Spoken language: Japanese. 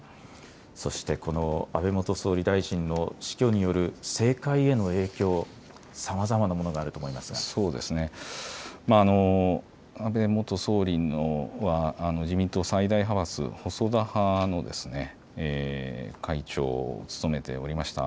そして安倍元総理大臣の死去による政界への影響、さまざまなものがあると思いますが安倍元総理は自民党の最大派閥、細田派の会長を務めておりました。